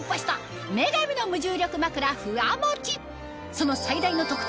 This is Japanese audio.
その最大の特徴